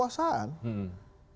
tapi kalau demi kepentingan kekuasaan